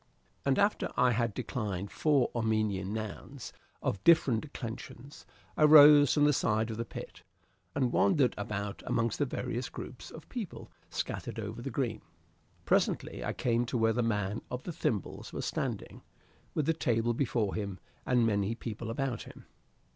And after I had declined four Armenian nouns, of different declensions, I rose from the side of the pit, and wandered about amongst the various groups of people scattered over the green. Presently I came to where the man of the thimbles was standing, with the table before him, and many people about him.